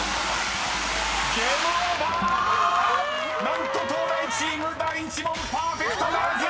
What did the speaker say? ［何と東大チーム第１問パーフェクトならず！］